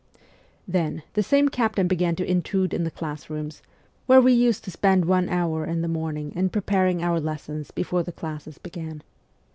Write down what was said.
Then, the same captain began to intrude in the class rooms, where we used to spend one hour in the morning in preparing our lessons before the classes began.